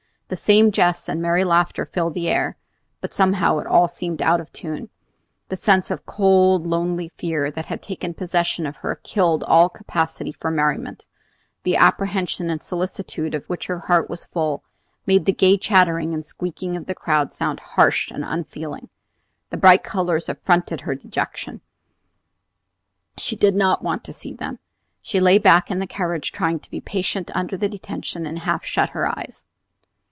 The same jests and merry laughter filled the air, but somehow it all seemed out of tune. The sense of cold, lonely fear that had taken possession of her killed all capacity for merriment; the apprehension and solicitude of which her heart was full made the gay chattering and squeaking of the crowd sound harsh and unfeeling. The bright colors affronted her dejection; she did not want to see them. She lay back in the carriage, trying to be patient under the detention, and half shut her eyes.